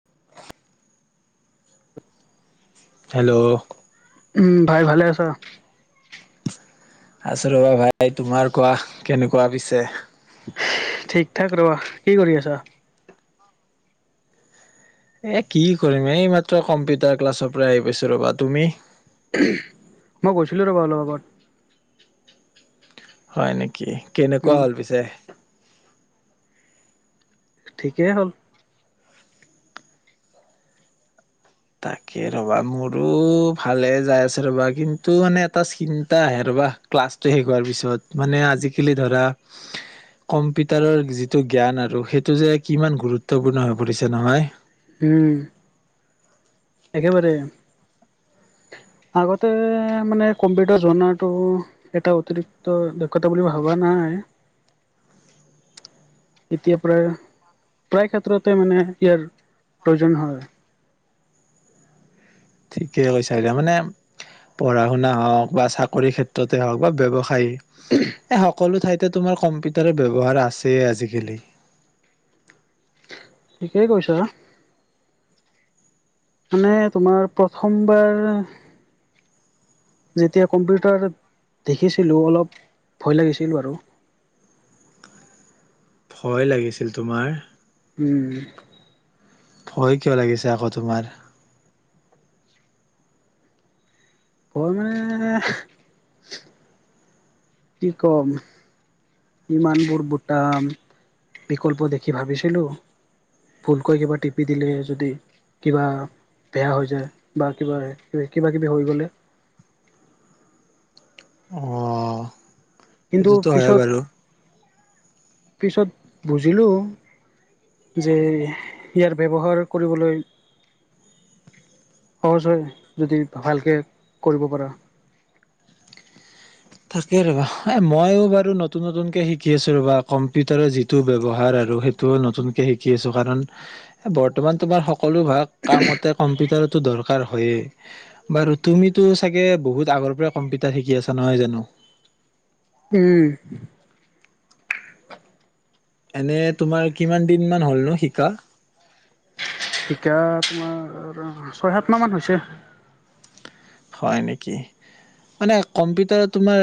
[unintelligible] Hello উ ভাই ভালে আছ আছো ৰবা ভাই তোমাৰ কোৱা কেনেকুৱা পিছে ঠিক ঠাক ৰবা কি কৰি আছা এ কি কৰিম এই মাত্ৰ কম্পিউটাৰ ক্লাছৰ পৰা আহি পাইছো ৰবা তুমি মই গৈছিলো ৰ'বা অলপ আগত হয় নেকি কি কেনেকুৱা উম হল পিছে ঠিকেই হ'ল তাকে ৰবা মোৰো ভালে যাই আছে ৰবা কিন্তু মানে এটা চিন্তা আহে ৰবা ক্লাছটো শেষ হোৱাৰ পিছত মানে আজিকালি ধৰা কম্পিউটাৰৰ যিটো জ্ঞান আৰু সেইটো যে কিমান গুৰুত্বপূৰ্ণ হৈ পৰিছে নহয় হম একেবাৰে আগতে মানে কম্পিউটাৰ জনটো এটা অতিৰিক্ত দক্ষতা বুলি ভবা নাই এতিয়া পৰায় প্ৰায় ক্ষেত্ৰতে মানে ইয়াৰ প্ৰয়োজন হয় ঠিকেই কৈছা এতিয়া মানে পঢ়া শুনা হওক বা চাকৰি ক্ষেত্ৰতে হওক বা ব্যৱসায়ী এ সকলো ঠাইত তোমাৰ কম্পিউটাৰ ব্যৱহাৰ আছে আজিকালি ঠিকেই কৈছ মানে তোমাৰ প্ৰথমবাৰ যেতিয়া কম্পিউটাৰ দেখিছিলোঁ অলপ ভয় লাগিছিলো বাৰো ভয় লাগিছিল তোমাৰ উম ভয় কিয় লাগিছে আকৌ তোমাৰ অ মানে কি ক'ম ইমানবোৰ বুটাম বিকল্প দেখি ভাবিছিলোঁ ভুলকৈ কিবা টিপি দিলে যদি কিবা বেয়া হৈ যায় বা কিবা কিবা কিবি হৈ গ'লে আহ কিন্তু সেইটোতো হয় পিছত বাৰু পিছত বুজিলোঁ যে ইয়াৰ ব্যৱহাৰ কৰিবলৈ সহজ হয় যদি ভালকে কৰিব পাৰা তাকে ৰবা এ মই বাৰু নতুন নতুনকে শিকি আছো ৰবা কম্পিউটাৰৰ যিটো ব্যৱহাৰ আৰু সেইটোও নতুনকে শিকি আছো কাৰণ বৰ্তমান তোমাৰ সকলো ভাগ কামতে কম্পিউটাৰত দৰকাৰ হয়ে বাৰু তুমিতো চাগে বহুত আগৰ পৰা কম্পিউটাৰ শিকি আছা নহয় জানো [inaudible] উম এনে তোমাৰ কিমান দিন মান হ'লনো শিকা শিকা তোমাৰ ছয়-সাত মাহমান হৈছে। হয় নেকি? মানে কম্পিউটাৰত তোমাৰ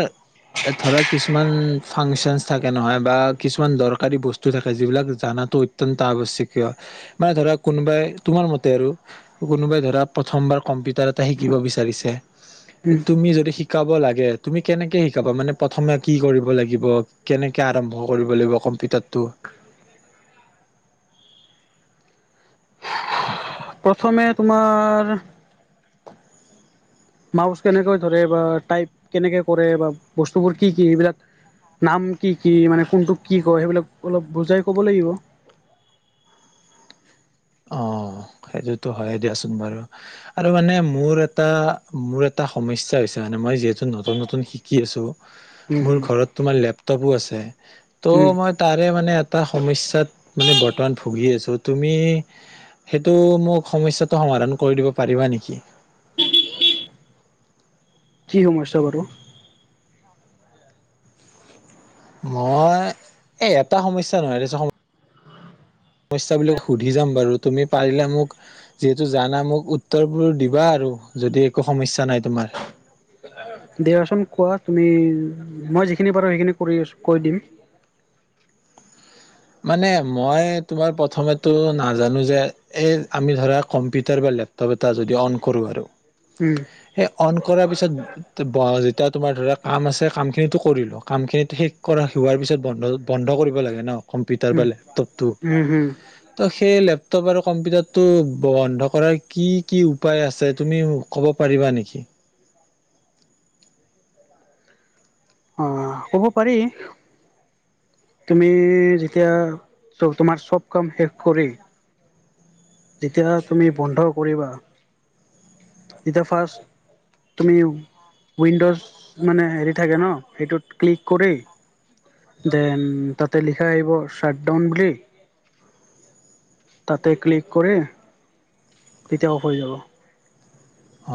ধৰা কিছুমান ফাংচনচ থাকে নহয় বা কিছুমান দৰকাৰী বস্তু থাকে যিবিলাক জনাটো অত্যন্ত আৱশ্যকীয়। মানে ধৰা কোনোবাই তোমাৰ মতে আৰু কোনোবাই ধৰা প্ৰথমবাৰ কম্পিউটাৰ এটা শিকিব বিচাৰিছে তে উম তুমি যদি শি শিকাব লাগে তুমি কেনেকে শিকাবা মানে প্ৰথমে কি কৰিব লাগিব, কেনেকে আৰম্ভ কৰিব লাগিব কম্পিউটাৰটো, প্ৰথমে তোমাৰ মাউচ কেনেকৈ ধৰে বা টাইপ কেনেকে কৰে বা বস্তুবোৰ কি কি, এইবিলাক নাম কি কি, মানে কোনটোক কি কয় সেইবিলাক অলপ বুজাই কব লাগিব। অঁ, সেইটোতো হয়ে দিয়াচোন বাৰু। আৰু মানে মোৰ এটা মোৰ এটা সমস্যা হৈছে মানে মই যিহেতু নতুন-নতুন শিকি আছোঁ, উম, মোৰ হুম, ঘৰত তোমাৰ লেপটপো আছে। তে উম, ত' মই তাৰে মানে এটা সমস্যাত মানে বৰ্তমান ভুগি আছোঁ। তুমি সেইটো মোক সমস্যাটো সমাধান কৰি দিব পাৰিবা নেকি? কি সমস্যা বাৰু? মই, এ এটা সমস্যা নহয় দেচো স সমস্যবিলাক শুধি যাম বাৰু, তুমি পাৰিলে মোক, যিহেতু জানা মোক, উ উত্তৰবোৰ দিবা আৰু, যদি একো সমস্যা নাই তোমাৰ দিয়াচোন কোৱা, তুমি মই যিখিনি পাৰো সেইখিনি কৰি আছো কৈ দিম। মানে মই তোমাৰ প্ৰথমেটো নাজানো যে এই আমি ধৰা কম্পিউটাৰ বা লেপটপ এটা যদি অন কৰোঁ আৰু উম, সেই অন কৰাৰ পিছত [unintelligible] এতিয়া তোমাৰ ধৰা কাম আছে কামখিনিতো কৰিলো। কামখিনিত শেষ কৰা হোৱাৰ পিছত বন্ধ বন্ধ কৰিব লাগে ন। কম্পিউটাৰ বা উম, লেপটপটো, উম, হুম, ত' সে সেই লেপটপ আৰু কম্পিউটাৰটো বন্ধ কৰাৰ কি কি উপায় আছে তুমি ক'ব পাৰিবা নেকি? অ, কব পাৰি। তুমি যেতিয়া তোমাৰ চব কাম শেষ কৰি যেতিয়া তুমি বন্ধ কৰিবা, যেতিয়া ফাৰ্ষ্ট তুমি উইণ্ডজ মানে হেৰি থাকে ন, সেইটোত ক্লিক কৰি দেন তাতে লিখা আহিব শ্বাটডাউন বুলি তাতে ক্লিক কৰি তেতিয়া অফ হৈ যাব।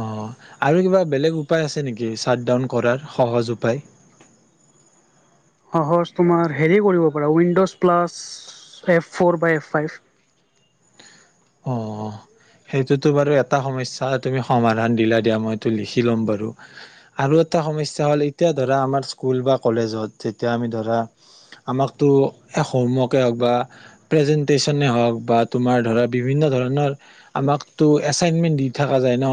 অঁ, আৰু কিবা বেলেগ উপায় আছে নেকি, শ্বাটডাউন কৰাৰ সহজ উপায়? সহজ তোমাৰ হেৰি কৰিব পাৰা উইণ্ড'জ প্লাছ এফ ফ'ৰ বা এফ ফাইভ। অঁ, সেইটোতো বাৰু এটা সমস্যা তুমি সমাধান দিলা দিয়া মইটো লিখি ল'ম বাৰু। আৰু এটা সমস্যা হ'ল এতিয়া ধৰা আমাৰ স্কুল বা কলেজত যেতিয়া আমি ধৰা আমাকতো এহ হোমৱৰ্কে হওক বা প্ৰেজেন্টেচনে হওঁক বা তোমাৰ ধৰা বিভিন্ন ধৰণৰ আমাকতো এছাইনমেণ্ট দি থকা যায় ন,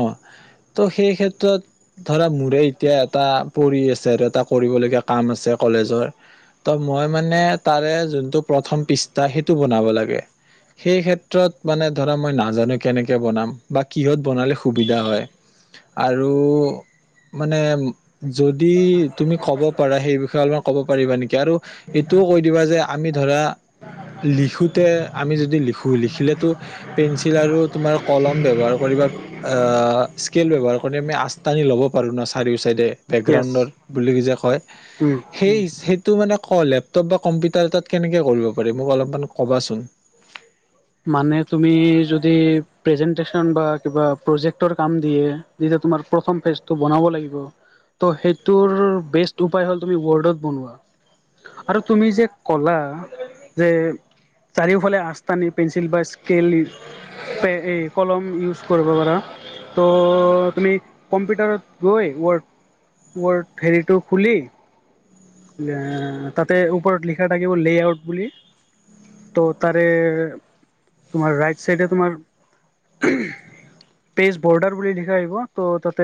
ত' সেই ক্ষেত্ৰত ধৰা মোৰে এতিয়া এটা পৰি আছে আৰু এটা কৰিবলগীয়া কাম আছে কলেজৰ। ত' মই মানে তাৰে যোনটো প্ৰথম পৃষ্ঠা সেইটো বনাব লাগে। সেই ক্ষেত্ৰত মানে ধৰা মই নাজানো কেনেকৈ বনাম বা কিহত বনালে সুবিধা হয় আৰু মানে যদি তুমি ক'ব পাৰা সেই বিষয়ে অলপমান ক'ব পাৰিবা নেকি? আৰু এইটোও কৈ দিবা যে আমি ধৰা লিখোঁতে আমি যদি লিখোঁ, লিখিলে ত' পেঞ্চিল আৰু তোমাৰ কলম ব্যৱহাৰ কৰি বা আ স্কেল ব্যৱহাৰ কৰি আমি আঁচ টানি ল'ব পাৰো ন চাৰিও চাইডে? য়েছ বেকগ্ৰাউণ্ডৰ বুলি যে কয়, উম সেই সেই টো মানে [unintelligible] লেপটপ বা কম্পিউটাৰ তাত কেনেকে কৰিব পাৰি, মোক অলপমান কবাচোন। মানে তুমি যদি প্ৰেজেণ্টেশ্যন বা কিবা প্ৰজেক্টৰ কাম দিয়ে, যেতিয়া তোমাৰ প্ৰথম পেজটো বনাব লাগিব, ত' সেইটোৰ বেষ্ট উপায় হ'ল তুমি ৱৰ্ডত বনোৱা আৰু তুমি যে ক'লা যে চাৰিওফালে আঁচ টানি পেঞ্চিল বা স্কেল এই এই কলম ইউজ কৰিব পাৰা। ত' তুমি কম্পিউটাৰত গৈ ৱৰ্ড ৱৰ্ড হেৰিটো খুলি তাতে ওপৰত লিখা থাকিব লে আউট বুলি, ত' তাৰে তোমাৰ ৰাইট চাইডে তোমাৰ পেজ বৰ্ডাৰ বুলি লিখা আহিব, ত' তাতে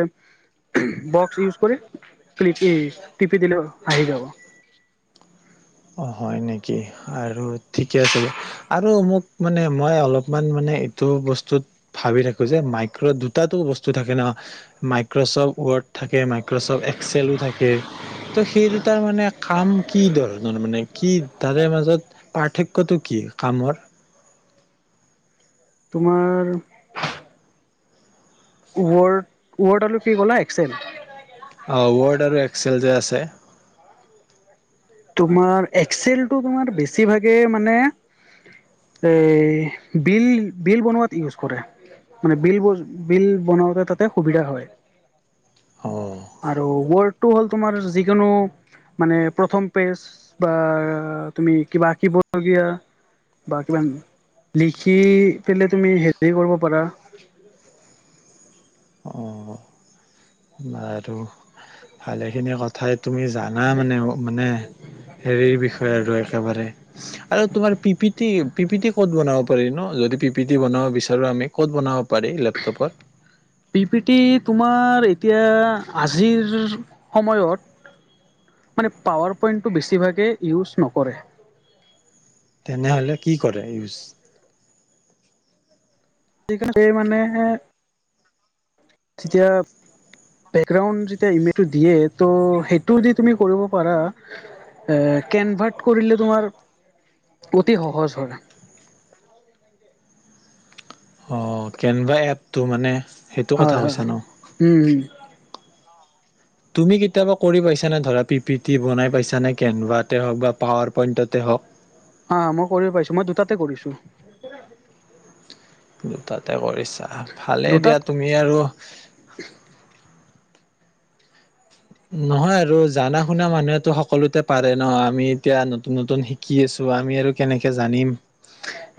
বক্স ইউজ কৰি ক্লিক টিপি দিলে আহি যাব অ হয় নেকি আৰু ঠিকে আছে ব আৰু মোক মানে মই অলপমান মানে এইটো বস্তুত ভাবি থাকোঁ যে মাইক্ৰ' দুটাাতটো বস্তু থাকে ন মাইক্ৰ'চফ্ট ৱৰ্ড থাকে মাইক্ৰচফট এক্সেলো থাকে ত' সেই দুটাৰ মানে খাম কি দল মানে কি তাৰে মাজত পাৰ্থক্যটো কি কামৰ তোমাৰ ৱৰ্ড ৱৰ্ডলটো কি ক'লা এক্সেল এ তোমাৰ এক্সলেটো বেছি মানে এই বিল বিল বনোৱ কৰে মান বিল বিল বতে তাতে সুবিধা হয় অ আৰু ৱৰ্ডটো হ'ল তোমাৰ যিকোনো মানে প্ৰথম পেজ বা তুমি কিবা আঁকিব লগিয়া বা কিবা লিখি হেপি কৰিব পৰা আৰু ভালেখিনি কথাই তুমি জানা মানে মানে হেৰিৰ বিষয়ে আৰু একেবাৰে আৰু তোমাৰ P P T P PT ক'ত বনাব পাৰি ন' যদি পি পি টি বনাব বিচাৰোঁ আমি ক'ত বনাব পাৰি লেপটবত পি পি টি তোমাৰ এতিয়া আজিৰ সময়ত মানে পোৱৰ প পইণ্টটো বেছিভাগে ইউজ নকৰে তেনেহ'লে কি কৰে ইউজ আজিকালি মানে যেতিয়া বেকগ্ৰাউড যেতিয়া ইমেজটো দিয়ে ত সেইটোদি তুমি কৰিব পাৰা এ কেনভাৰট কৰিলে তোমাৰ অতি সহজ হয় অঁ কেনবা এপটো মানে সেইটো কথা হয় হয় কৈছা ন উও তুমি কেতিয়াবা কৰি পাইছানেি পিট বনাই পাইছে কেনভাতে হক বা পাৱাৰ পইণ্টতে হওকঁ আহ মই কৰিব পাইিছো মই দুটাতে কৰিছো দুটা তাতে কৰিছা আচ্ছা ভালেই দিয়া দুটাত তুমি আৰু নহয় আৰু জানা শুনা মানুহেতো সকলোতে পাৰে ন আমি এতিয়া নতুন নতুন শিকি আছোঁ আমি আৰু কেনেকে জানিম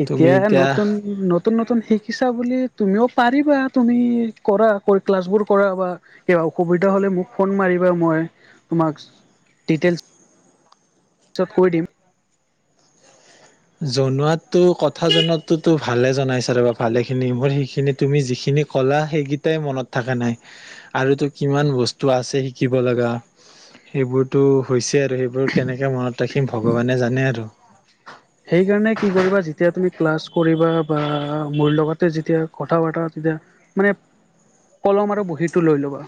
এতিয়া নতুন নতুন নতুন শিকিছা বুলি তুমিও পাৰিবা তুমি কৰা ক্লাছবোৰ কৰা বা কিবা অসুবিধা হ'লে মোক ফোন মাৰিবা মই তোমাক ডিটেইলছ পিছত কৈ দিম জনোৱাত তেওঁ কথা জনাতোতো ভালে জনাইছা ৰবা ভালে খিনি মোৰ সেইখিনি তুমি যিখিনি কলা সেইকেইটাই মনত থকা নাই আৰুতো কিমান বস্তু আছে শিকিব লগা সেইবোৰতো হৈছে আৰু সেইবোৰ কেনেকে মনত ৰাখিম ভগৱানে জানে আৰু সেইকাৰণে কি কৰিবা যেতিয়া তুমি ক্লাছ কৰিবা বা মোৰ লগতে যেতিয়া কথা পতা তেতিয়া মানে কলম আৰু বহীটো লৈ ল'বা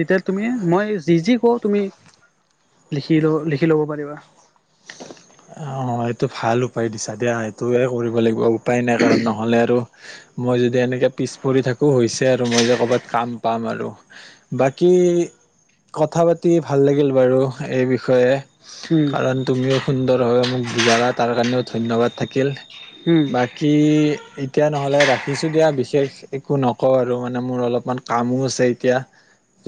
তেতিয়া তুমি মই যি যি কওঁ তুমি লিখি ল লিখি ল'ব পাৰিবা অঁ এইটো ভাল উপায় দিছা দিয়া সেইটোৱে কৰিব লাগিব উপায় নাই ক নহ'লে আৰু মই যদি এনেকে পিছ পৰি থাকোঁ হৈছে আৰু মই যে ক'ৰবাত কাম পাম আৰু বাকী কথা পাতি ভাল লাগিল বাৰু এই বিষয়ে উম কাৰণ তুমিও সুন্দৰভাৱে মোক বুজালা তাৰ কাৰণেও ধন্যবাদ থাকিল উম বাকী এতিয়া নহ'লে ৰাখিছো দিয়া বিশেষ একো নকওঁ আৰু মানে মোৰ অলপমান কামো আছে এতিয়া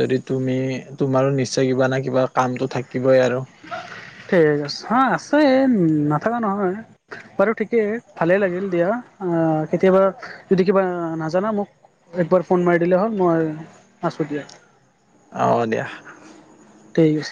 যদি তুমি তোমাৰো নিশ্চয় কিবা নে কিবা কামটো থাকিবই আৰু ঠিক আছে হা আছে নাথাকা নহয় বাৰু ঠিকেই ভালেই লাগিল দিয়া কেতিয়াবা যদি কিবা নাজানা মোক একবাৰ ফোন মাৰি দিলে হ'ল মই আছো দিয়া অঁ দিয়া তেইচ